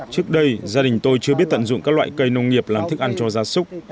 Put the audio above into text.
trước đây gia đình tôi chưa biết tận dụng các loại cây nông nghiệp làm thức ăn cho gia súc